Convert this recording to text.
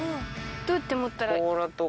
どうやって持ったら？